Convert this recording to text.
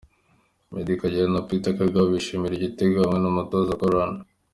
Meddie Kagere na Peter Kagabo bishimira igitego hamwe n’umutoza Goran.